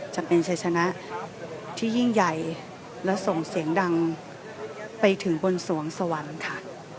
จะเป็นชัยชนะที่ยิ่งใหญ่และส่งเสียงดังไปถึงบนสวงสวรรค์ค่ะ